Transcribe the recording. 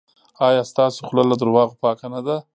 ایا ستاسو خوله له درواغو پاکه نه ده؟